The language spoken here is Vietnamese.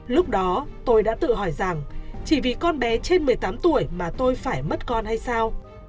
lúc đó tôi đã tự hỏi rằng chỉ vì con bé trên một mươi tám tuổi mà tôi phải mất con hay sao